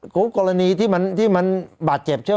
กรณีที่มันบาดเจ็บใช่ไหม